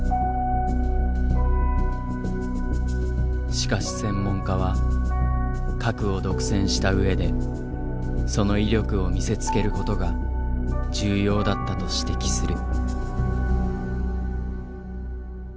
しかし専門家は核を独占した上でその威力を見せつけることが重要だったと指摘する。